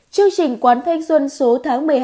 chương trình quán thanh xuân số tháng một mươi hai